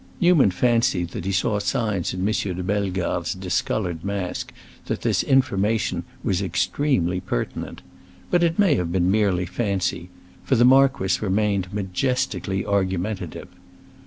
Newman fancied that he saw signs in M. de Bellegarde's discolored mask that this information was extremely pertinent. But it may have been merely fancy; for the marquis remained majestically argumentative.